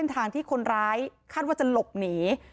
ตั้งเส้นทางที่คนร้ายคาดว่าจะหลบหนี